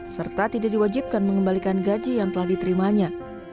serta tidak diwajibkan mengembalikan gaji yang telah diterimanya